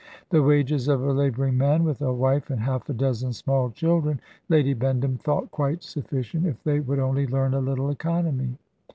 The wages of a labouring man, with a wife and half a dozen small children, Lady Bendham thought quite sufficient if they would only learn a little economy.